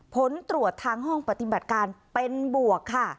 ผลตรวจทางห้องปฏิบัติการเป็นบวกค่ะ